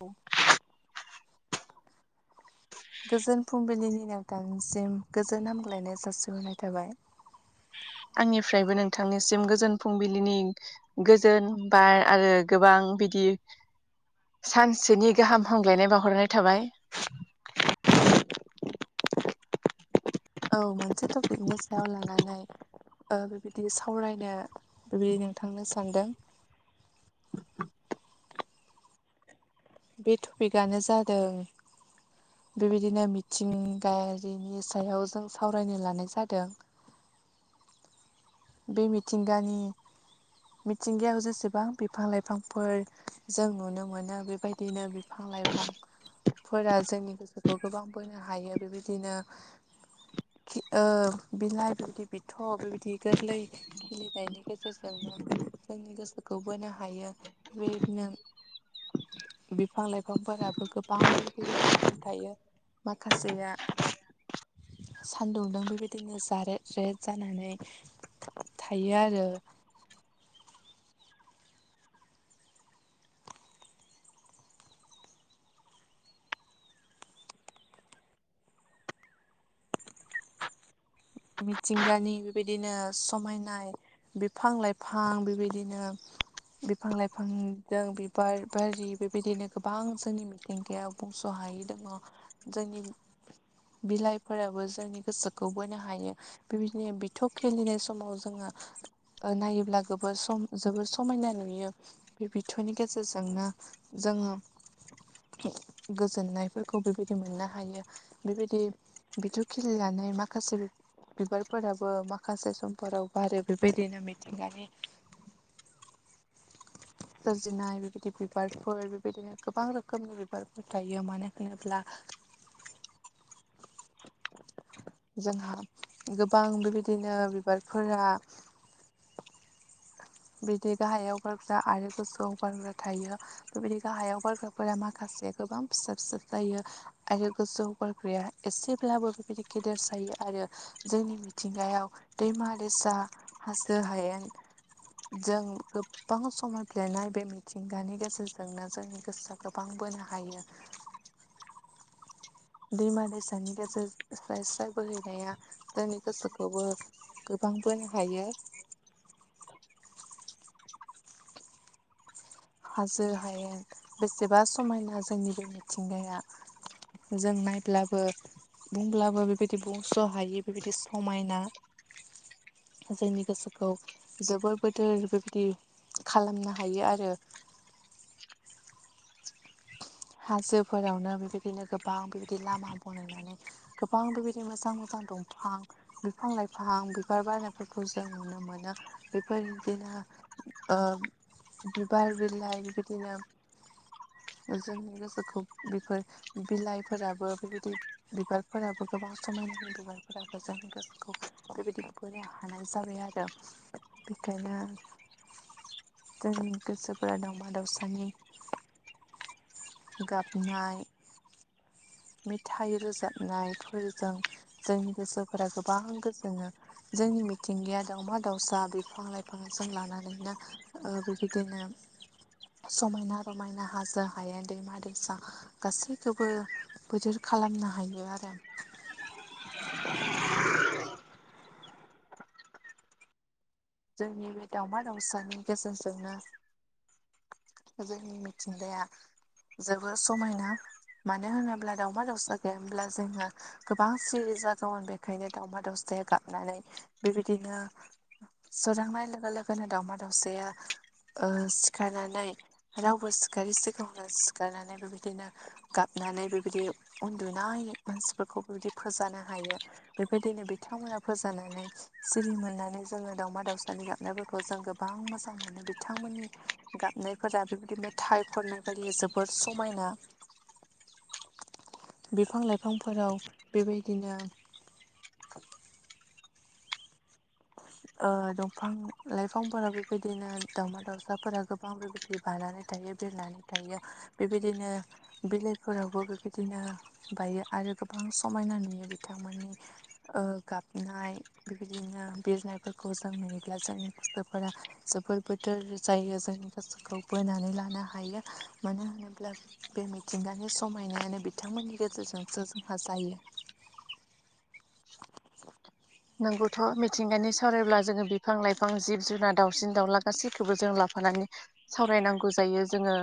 औ गोजोन फुंबिलिनि नोंथां निसिम गोजोन हामग्लायनाय जासिहरनाय थाबाय आंनिफ्रायबो नोंथांनिसिम गोजोन फुंबिलिनि गोजोन बार आरो गोबां बिदि सानसेनि गाहाम हामलायनाय बाउहरनाय थाबाय औ मोनसे टपिकनि सायाव लानानै बेबायदि सावरायनो बेबायदिनो नोंथां सानदों बे टपिकआनो जादों बेबायदिनो मिथिंगायारिनि सायाव जों सावरायनो लानाय जादों बे मिथिंगानि मिथिंगायाव जेसेबां बिफां लाइफांफोर जों नुनो मोनो बेबायदिनो बिफां बिफां लाइफांफोरा जोंनि गोसोखौ गोबां बोनो हायो बेबायदिनो ओ बिलाइ बेबायदि बिथ' बेबायदि गोरै खिलिनायनि गेजेरजोंनो जोंनि गोसोखौ बोनो हायो बेबायदिनो बिफां लाइफांफोराबो गोबां बेबायदि रोखोमनि थायो माखासेया सानदुंदों बेबायदिनो जारेद रेद जानानै थायो आरो मिथिंगानि बेबायदिनो समायनाय बिफां लाइफां बेबायदिनो बिफां लाइफांजों बिबार बारि बेबायदिनो गोबां जोंनि मिथिंगाया बुंस' हायो जनि बिलाइफोराबो जोंनि गोसोखौ बोनो हायो हायो बेबायदिनो बिथौ खेलिनाय समाव जोङो नायोब्ला गो सम जोबोद समायना नुयो बे बिथनि गेजेरजोंनो जोङो गोजोननायफोरखौ बेबायदि मोननो हायो बेबायदि बेथ' खिल लानाय माखासे बिबारफोराबो माखासे समफोराव बारो बेबायदिनो मिथिंगानि [inaudible] सोरजिनाय बेबायदि बिबारफोर बेबायदिनो गोबां रोखोमनि बिबारफोर थायो मानो होनोब्ला जोंहा गोबां बेबायदिनो बिबारफोरा बिदि गाहायाव गारग्रा आरो गोसोआव गारग्रा थायो बेबायदि गाहायाव गारग्राफोरा माखासे गोबां फिसा फिसाब जायो आरो गोजौ बग्राया एसेब्लाबो बेबायदि गेदेर जायो आरो जोंनि मिथिंगायाव दैमा दैसा हाजो हायेन जों गोबां समाय बिलिरनाय बे मिथिंगानि गेजेरजोंनो जोंनि गोसोआ गोबां बोना हायो दैमा दैसानि गेजेरजों स्राय स्राय बोहैनाया जोंनि गोसोखौबो गोबां नो हायो। हाजो हायेन बेसेबा समायना जोंनि बे मिथिंगाया जों नायब्लाबो बुंब्लाबो बेबायदि बुंस हायि बेबायदि समायना जोंनि गोसोखौ जोबोर बोदोर बेबायदि खालामनो हायो आरो हाजोफोरावनो बेबायदिनो गोबां बेबायदि लामा बनायनानै गोबां बेबायदि मोजां मोजां बिफां दफां बिफां लाइफां बिबार बायनायफोरखौ जों नुनो मोनो बेफोरदिनो बिबार बिलाइ बेबायदिनो जोंनि गोसोखौ बेफोर बिलाइफोराबो बेबायदि बिबारफोराबो गोबां समायना नि बिबारफोराबो जों गोसोखौ बेबायदि बोनो हानाय जाबाय आरो बेखायनो जोंनि गोसोफोरा दमा दावसानि गाबनाय मेथाइ रोजाबनायफोरजों जोंनि गोसोफोरा गोबां गोजोनो जोंनि मिथिंगाया दाावमा दाावसा बिफां लाइफां जों लानानैनो ओ बेबायदिनो समायना रमायना हाजो हायेन दैमा दैसा गासैखौबो बोथोर खालामनो हायो आरो जोंनि बे दावमा दाउसानि गेजेरजोंनो जोंनि मिथिंगाया जोबोर समायना मानो होनोब्ला दाावमा दावउसा गैयामब्ला जोङो गोबां सिरि जागौमोन बेखायनो दाउमा दाव गाबनानै बेबायदिनो सोरां लोगो लोगोनो दावमा दावसाया सिखारनानै रावबो सिखारि सिगाङानो सिखारनानै बेबायदिनो गाब नानै बेबायदि उन्दुनाय मानसिफोरखौ बेबायदि फोजानो हायो बेबायदिनो बिथांमोना फोजानानै सिरि मोननानै जोङो। दावमा दावसानि गाबनायफोरखौ जों गोबां मोजां मोनो बिथांमोननि गाबनायफोरा बेबदिनो मेथाइ खननाय बायदि जोबोर समायना। बिफां लाइफांफोराव बेबायदिनो। [unintelligible] [inaudible] ओ दंफां लाइफांफोरा बेबायदिनो दावमा दाउसाफोरा गोबां बेबायदि बानानै थायो। बिरनानै थायो बेबायदिनो बिलाइफोरावबो बेबायदिनो बायो आरो। गोबां समायना नुयो बिथांमोननि ओ गाबनाय बेबायदिनो। बिरनायफोरखौ जों नुयोब्ला जोंनि गोसोफोरा जोबोर बोथोर जायो जोंनि गोसोखौबो। होननानै लानो हायो मानो होनोब्ला बे मिथिंगानि समायनायानो बिथांमोननि गेजेरजों। जो जोंहा जायो। नोंगौथ' मिथिंगानि सावरायब्ला जोङो बिफां लाइफां जिब जुनार दावउसिन दाउला गासैखौबो जों लाफानानै। सावरायनांगौ जायो जोङो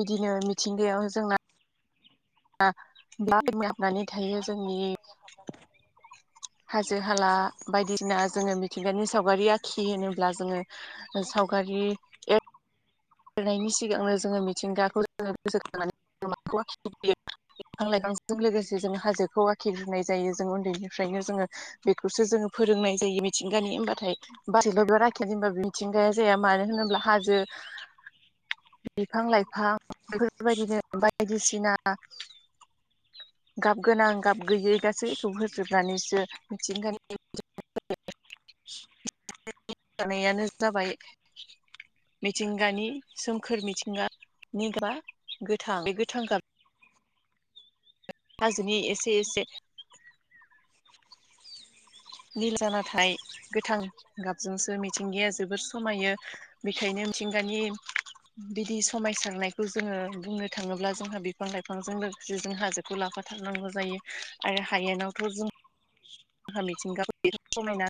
बिदिनो मिथिंगायाव जोंना। [inaudible] [unintelligible] हाबनानै थायो जोंनि। हाजो हाला बायदिसिना जोङो मिथिंगानि सावगारि आखि होनोब्ला जोङो ओ साव। गारि [unintelligible] नायनि सिगांनो जोङो मिथिंगाखौ जों गोसोखांनानै। [unintelligible] बेजों लोगोसे जों हाजोखौ आखिग्रोनाय जायो जों बेनिफ्रायनो जोङो बेखौसो जोङो फोरोंनाय जायो। मिथिंगानि होमथाय बाथै लोब लाखिबा बे मिथिंगाया जाया मानो होनोब्ला हाजो। बिफां लाइफां बेफोरबायदिनो बायदिसिना। गाब गोनां गाब गैयै गासैखौ होजोबनानैसो मिथिंगानि। [inaudible] नायानो जाबाय। मिथिंगानि सोमखोर मिथिंगानि गा गोथां बे गोथां गाब। हाजोनि एसे एसे। निल जानाथाय गोथां गाबजोंसो मिथिंगाया जोबोर समायो बेखायनो। मिथिंगानि। बिदि समायसारनायखौ जोङो बुंनो थाङोब्ला जोंहा बिफां लाइफांजों लोगोसे जों हाजोखौ लाब होथारनांगौ जायो आरो हायेनावथ' जों आंहा मिथिंगा समायना।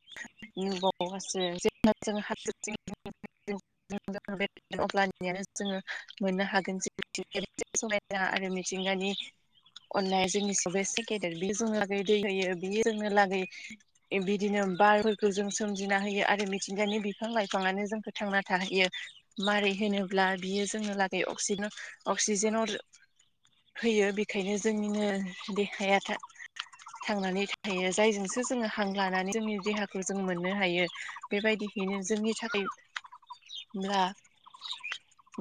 नबावासो जेनेबा जों। [unintelligible] अब्ला जोङो मोननो हागोन जे समायना आरो मिथिंगा। नि अननाय जोंनि एसे गेदेर बे जोंङो दै होयो बियो। जोंनो लागै बिदिनो बारफोरखौ जों सोमजिना होयो आरो मिथिंगानि बिफां लाइफांङानो। जोंखौ थांना थाहैयो मारै होनोब्ला बियो जोंनो लागै अक्सिजेनाव। होयो बेखायनो जोंनिनो देहाया था थांनानै। हायो जायजोंसो जोङो हां लानानै जोंनि देहाखौ जों मोननो हायो बेबायदियैनो जोंनि थाखाय। होआ।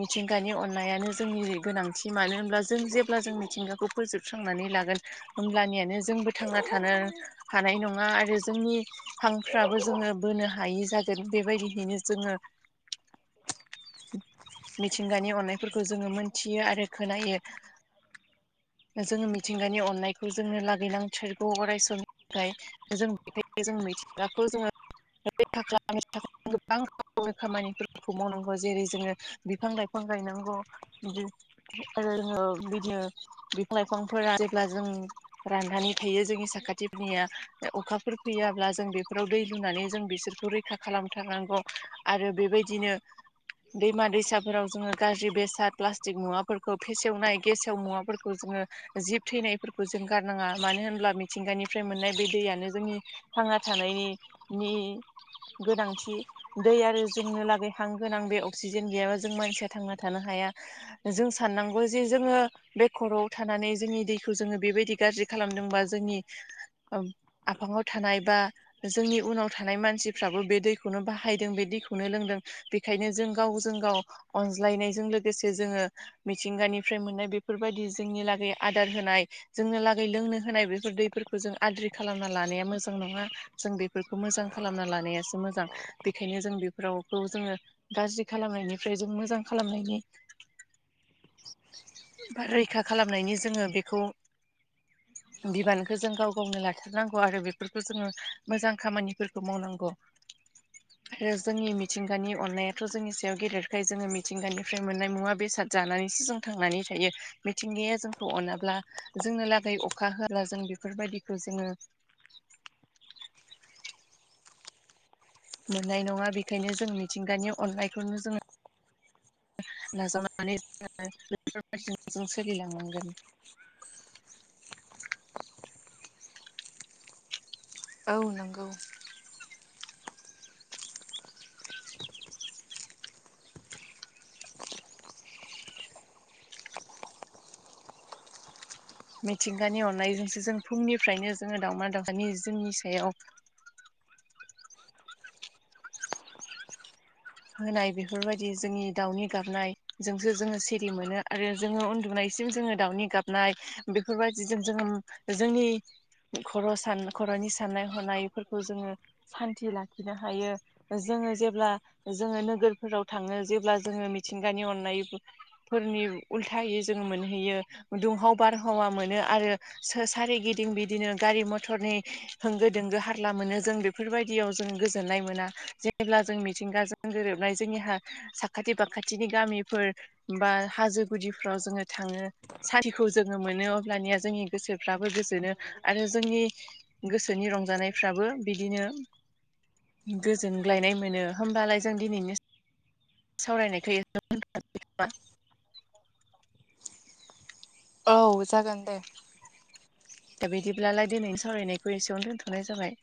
मिथिंगानि अननायानो जोंनि गोनांथि मानो होनब्ला जों जेब्ला जों मिथिंगाखौ फोजोबस्रांनानै। लागोन होमब्लानियानो जोंबो थांना थानोब्ला। हानाय नङा आरो जोंनि हांफ्राबो जोङो बोनो हायि जागोन बेबायदियैनो जों। जोङो। [inaudible] [inaudible] मिथिंगानि अननायफोरखौ जोङो मोनथियो आरो खोनायो। जोङो मिथिंगानि अननायखौ जोंनो लागिनांथारगौ अरायसम। ओमफ्राय जों मिथिंगाखौ जों जोङो। [unintelligible] थाखाय गोबां रनि खामानिफोरखौ मावनांगौ जेरै जोङो बिफां लाइफां। बिफां गायनांगौ बि आरो जोङो बिदिनो बिफां लाइफांफोरा जेब्ला जों राननानै थायो जोंनि साखाथि निया अखाफोर फैयाब्ला जों बेफोराव दै लुनानै जों बिसोरखौ रैखा खालामथारनांगौ आरो बेबायदिनो दैमा दैसाफोराव जोङो गाज्रि बेसाद प्लास्टिक मुवाफोरखौ फेसेवनाय गेसाव मुवाफोरखौ जों जिब थैनायफोरखौ जों गारनाङा मानो होनब्ला मिथिंगानि फ्राय मोननाय बे दैयानो जोंनि थांना थानायनि नि गोनांथि दै आरो जोंनो लागै हां गोनां बे अक्सिजेन गैयाबा जों मानसिया थांना थानो हा मा जों साननांगौ जे जोङो बेखर'आव थानानै जोंनि दैखौ जोङो बेबायदि गाज्रि खालाम खालामदोंबा जोंनि [inaudible] औ आफाङाव थानाय बा जोंनि उनाव थानाय मानसिफ्राबो बे दैखौनो बाहायदों बै दै खौनो लोंदों बेखायनो जों गावजों गाव अनज्लायनायजों लोगोसे जोङो मिथिंगानि मोननाय बेफोरबायदि जोंनि लागै आदार होनाय जोंनो लोंनो होनाय बेफोर दै फोरफोरखौ जों आद्रि खालामना लानाया मोजां नङा जों बेफोरखौ मोजां खालामना लानायासो मोजां बे बेखायनो जों बेफोरावखौ जोङो गाज्रि खालामनायनिफ्राय जों मोजां खालामनायनि [inaudible] रैखा खालामनायनि जोङो बेखौ बिबान जों गाव गावनो लाथारनांगौ आरो बेफोरखौ जोङो मोजां खामानिफोरखौ मावनांगौ [inaudible] आरो जोंनि मिथिंगानि अननायाथ' जोंनि सायाव गेदेरखाय जोङो मिथिंगानिफ्राय मोननाय मुवा बेसाद जानानैसो जों थांनानै थायो मिथिंगाया जोंखौ अनाब्ला जोंनो लागै अखा होआब्ला जों बेफोरबायदिखौ जोङो मोननाय नङा बेखायनो जों मिथिंगानि अननायखौनो जोङो नाजावनानै जोङो जों सोलिलांनांगोन [inaudible] औ नंगौ मिथिंगानि अननायजोंसो जों फुंनिफ्रायनो जोङो दाउमा दाउसानि जोंनि सायाव [inaudible] होनाय बेफोरबायदि जोंनि दाउनि गाबनायजोंसो जोङो सिरि मोनो आरो जोङो उन्दुनाय सिम जोङो दाउनि गाबनाय बेफोरबायदिजों जोङो जोंनि खर' सान खर'नि साननाय हनायफोरखौ जोङो सान्थि लाखिनो हायो जों जोङो जेब्ला जोङो नोगोरफोराव थाङो जेब्ला जोङो मिथिंगानि अननायफोरनि उलथायै जों मोनहैयो दुंहाव बारहावा मोनो आरो सोरारिगिदिं बिदिनो गारि मटरनि होंगो दोंगो हारला मोनो जों बेफोरबायदियाव जों गोजोननाय मोना जेब्ला जों मिथिंगाजों गोरोबनाय जोंनिहा साखाथि फाखाथिनि गामिफोर बा हाजो गुदिफ्राव जोङो थाङो सारिखौ जोङो मोनो अब्लानिया जोंनि गोसोफ्राबो गोजोनो आरो जोंनि गोसोनि रंजानायफ्राबो बिदिनो गोजोनग्लायनाय मोनो होमबालाय जों दिनैनि [unintelligible] सावरायनायखौ एसेयावनो दोन्थ'नो नामा औ जागोन दे दा बिदिब्लालाय दिनैनि सावरायनायखौ एसेयावनो दोनथ'नाय जाबाय।